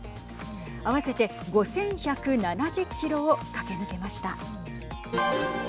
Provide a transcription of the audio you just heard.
合わせて５１７０キロを駆け抜けました。